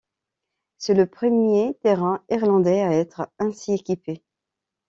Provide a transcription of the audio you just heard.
C’est le premier terrain irlandais à être ainsi équipé.